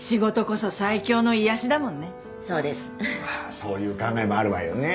そういう考えもあるわよね。